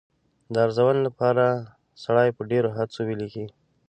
د ارزونې لپاره سړی په ډېرو هڅو ولیکي.